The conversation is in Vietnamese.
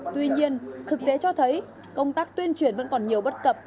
tuy nhiên thực tế cho thấy công tác tuyên truyền vẫn còn nhiều bất cập